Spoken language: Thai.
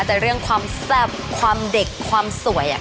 แต่เรื่องความแซ่บความเด็กความสวย